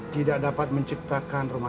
tidak dapat menciptakan rindu